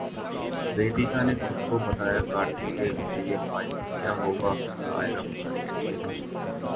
वेदिका ने खुद को बताया कार्तिक की रियल वाइफ, क्या होगा कायरव का रिएक्शन?